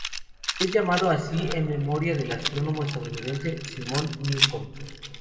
Es llamado así en memoria del astrónomo estadounidense Simon Newcomb.